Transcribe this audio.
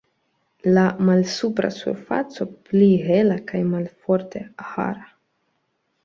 La malsupra surfaco pli hela kaj malforte hara.